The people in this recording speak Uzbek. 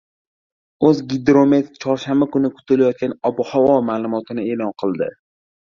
“O‘zgidromet” chorshanba kuni kutilayotgan ob-havo ma’lumotini e’lon qildi